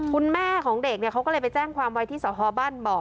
คุณแม่ของเด็กเนี่ยเขาก็เลยไปแจ้งความว่าที่สหบ้านบอก